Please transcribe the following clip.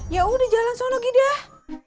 ya udah jalan soalnya udah